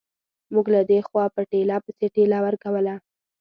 موږ له دې خوا په ټېله پسې ټېله ورکوله.